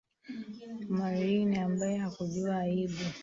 Marilyn, ambaye hakujua aibu